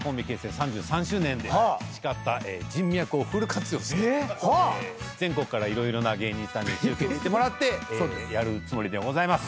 培った人脈をフル活用して全国から色々な芸人さんに集結してもらってやるつもりでございます。